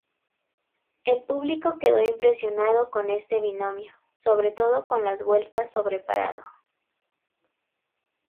El público quedó impresionado con este binomio, sobre todo con las vueltas sobre parado.